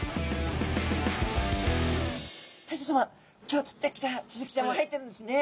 今日釣ってきたスズキちゃんも入っているんですね？